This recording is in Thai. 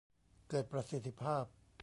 เกิดประสิทธิภาพ